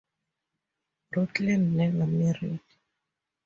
Rutland never married.